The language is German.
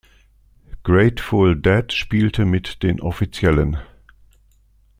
Grateful Dead spielte mit den offiziellen.